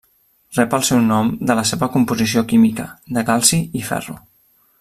Rep el seu nom de la seva composició química, de calci i ferro.